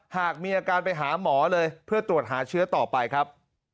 หากมีอาการไปหาหมอเลยเพื่อตรวจหาเชื้อต่อไปครับ